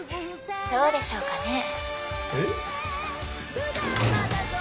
どうでしょうかね。えっ？